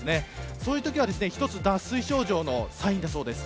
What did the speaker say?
そういうときは脱水症状のサインだそうです。